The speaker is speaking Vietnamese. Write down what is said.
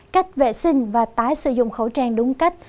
cách vệ sinh và tái sử dụng khẩu trang đúng cách